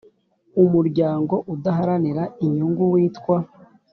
umuryango udaharanira inyungu witwa